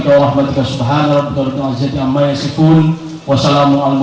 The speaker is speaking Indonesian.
kawan kawan partai pengusung